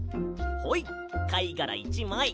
はいかいがら１まい！